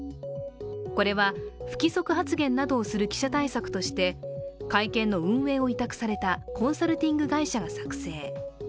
これは、不規則発言をする記者対策として会見の運営を委託された、コンサルティング会社が作成。